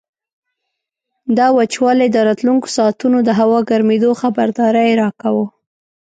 دا وچوالی د راتلونکو ساعتونو د هوا ګرمېدو خبرداری راکاوه.